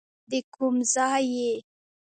د کوم ځای یې.